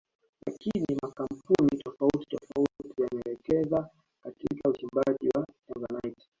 Lakini makampuni tofauti tofauti yamewekeza katika uchimbaji wa Tanzanite